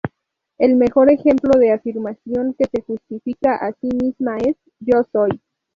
El mejor ejemplo de afirmación que se justifica a sí misma es: Yo soy.